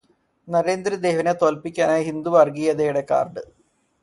നരേന്ദ്ര ദേവിനെ തോല്പ്പിക്കാനായി ഹിന്ദു വര്ഗീയതയുടെ കാര്ഡ്